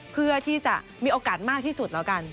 เพื่อที่จะมีโอกาสมากที่สุดแล้วกัน